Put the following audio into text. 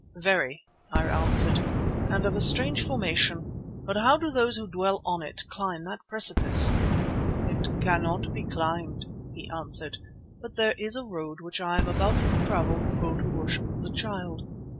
"Very," I answered, "and of a strange formation. But how do those who dwell on it climb that precipice?" "It cannot be climbed," he answered, "but there is a road which I am about to travel who go to worship the Child.